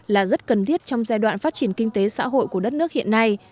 là rất cần thiết trong giai đoạn phát triển kinh tế xã hội của đất nước hiện nay